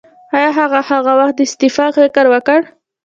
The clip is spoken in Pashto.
ایا هغې هغه وخت د استعفا فکر وکړ؟